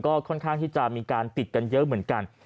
ก็ค่อนข้างที่จะมีการติดกันเยอะเหมือนกัน